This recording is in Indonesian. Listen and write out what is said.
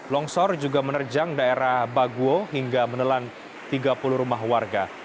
longsor juga menerjang daerah baguo hingga menelan tiga puluh rumah warga